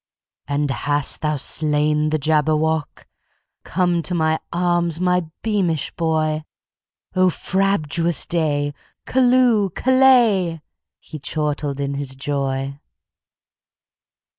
"And hast thou slain the Jabberwock? Come to my arms, my beamish boy!O frabjous day! Callooh! Callay!"He chortled in his joy.